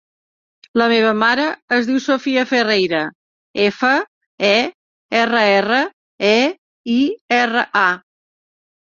La meva mare es diu Sofía Ferreira: efa, e, erra, erra, e, i, erra, a.